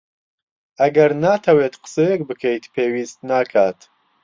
ئەگەر ناتەوێت قسەیەک بکەیت، پێویست ناکات.